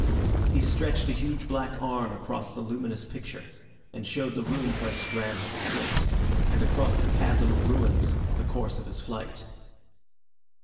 He stretched a huge black arm across the luminous picture, and showed the room whence Graham had escaped, and across the chasm of ruins the course of his flight.